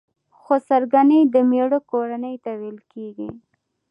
خسرګنۍ د مېړه کورنۍ ته ويل کيږي.